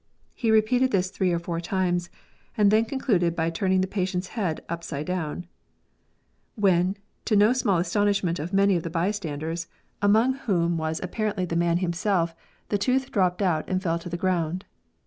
He repeated this three or four times, and then concluded by turn ing the patient's head upside down ; when, to the no small astonishment of many of the bystanders, among 32 DENTISTRY. whom was apparently the man himself, the tooth dropped out and fell on the ground.